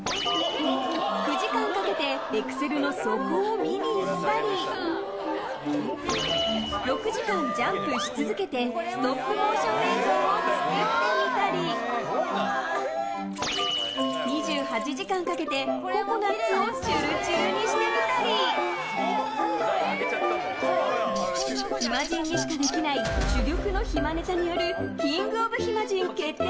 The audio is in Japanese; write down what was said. ９時間かけてエクセルの底を見に行ったり６時間ジャンプし続けてストップモーション映像を作ってみたり２８時間かけて、ココナツをちゅるちゅるにしてみたり暇人にしかできない珠玉の暇ネタによるキングオブ暇人決定